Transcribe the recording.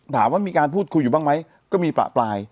ถามว่ามีการพูดคุยอยู่บ้างไหมก็มีประปราย